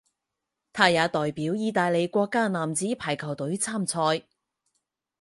他也代表意大利国家男子排球队参赛。